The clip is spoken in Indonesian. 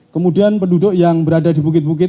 kemudian penduduk yang berada di bukit bukit